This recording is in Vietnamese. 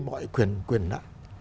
mọi quyền nặng